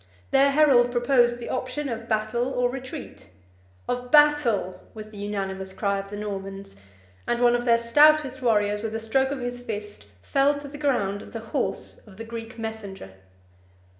Their herald proposed the option of battle or retreat; "of battle," was the unanimous cry of the Normans; and one of their stoutest warriors, with a stroke of his fist, felled to the ground the horse of the Greek messenger.